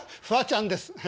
フワちゃんです。